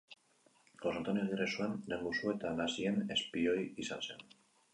Jose Antonio Agirre zuen lehengusu eta nazien espioi izan zen.